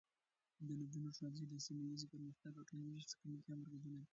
د نجونو ښوونځي د سیمه ایزې پرمختګ او ټولنیزې ښکیلتیا مرکزونه دي.